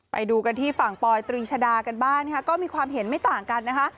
ไปดูกันที่ฝั่งปอยตรีชดากันบ้างนะคะก็มีความเห็นไม่ต่างกันนะคะ